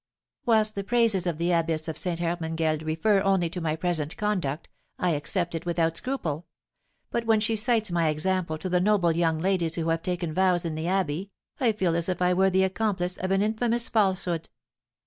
"Whilst the praises of the abbess of Ste. Hermangeld refer only to my present conduct, I accept it without scruple; but when she cites my example to the noble young ladies who have taken vows in the abbey, I feel as if I were the accomplice of an infamous falsehood."